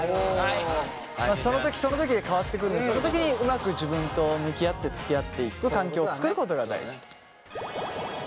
そのときそのときで変わってくるのでそのときにうまく自分と向き合ってつきあっていく環境を作ることが大事。